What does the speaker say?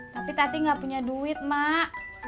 tapi tati nggak punya duit mak